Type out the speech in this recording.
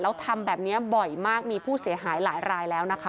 แล้วทำแบบนี้บ่อยมากมีผู้เสียหายหลายรายแล้วนะคะ